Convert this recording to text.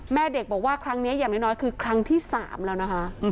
แม่เด็กบอกว่าครั้งนี้อย่างน้อยคือครั้งที่๓แล้วนะคะ